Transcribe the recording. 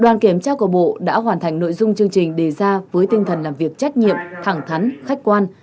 đoàn kiểm tra của bộ đã hoàn thành nội dung chương trình đề ra với tinh thần làm việc trách nhiệm thẳng thắn khách quan